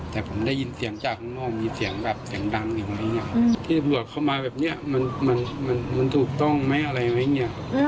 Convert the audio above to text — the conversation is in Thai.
แต่ผมได้ยินเสียงจากข้างนอกมีเสียงแบบเสียงดังอย่างไรอย่างเงี้ยอืมที่ประโยชน์เข้ามาแบบเนี้ยมันมันมันถูกต้องไหมอะไรไหมเนี้ยอืม